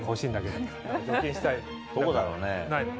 どこだろうね？